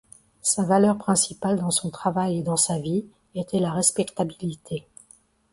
Sa valeur principale dans son travail et dans sa vie était la respectabilité.